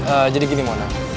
ah jadi gini mona